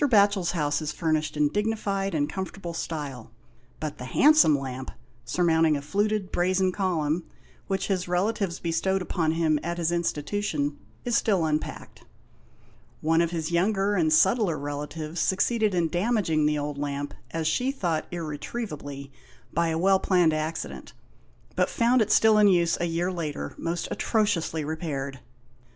Batohel's house is furnished in dignified and comfortable style, but the handsome lamp, surmounting a fluted brazen column, which his relatives bestowed upon him at his institution, is still unpacked. One of his younger and subtler relatives succeeded in damaging the old lamp, as she thought, irretrievably, by a well planned acci dent, but found it still in use a year later, most atrociously repaired.